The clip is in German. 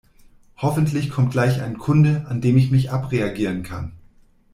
Hoffentlich kommt gleich ein Kunde, an dem ich mich abreagieren kann!